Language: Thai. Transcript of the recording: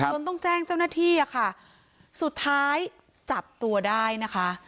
จนต้องแจ้งเจ้าหน้าที่อะค่ะสุดท้ายจับตัวได้นะคะ